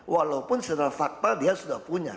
walaupun secara fakta dia sudah punya